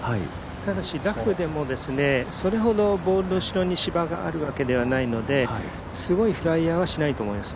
ただし、ラフでもそれほどボールの下に芝があるわけではないのですごいフライヤーはしないと思います。